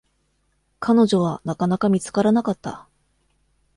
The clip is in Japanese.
彼女は、なかなか見つからなかった。